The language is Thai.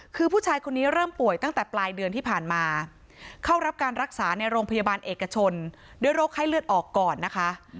คือผู้ชายคนนี้เริ่มป่วยตั้งแต่ปลายเดือนที่ผ่านมาเข้ารับการรักษาในโรงพยาบาลเอกชนด้วยโรคไข้เลือดออกก่อนนะคะ